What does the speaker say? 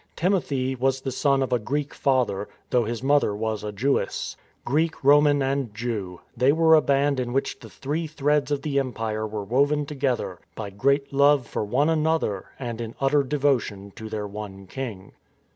Timothy was the son of a Greek father, though his mother was a Jewess. Greek, Roman, and Jew, they were a band in which the three threads of the empire were woven together by great love for one another and in utter devotion to their one King.